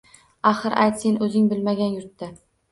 Axir, ayt, sen o’zing bilmagan yurtga